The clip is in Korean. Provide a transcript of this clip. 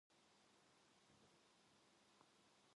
그 말에 선전부장이 잠자코 있을 리 없다.